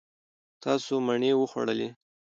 تاسو مڼې وخوړلې.